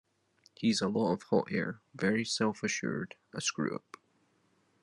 He's a lot of hot air, very self-assured, a screw-up.